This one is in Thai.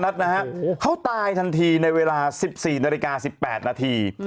นัดนะฮะเขาตายทันทีในเวลา๑๔นาฬิกา๑๘นาที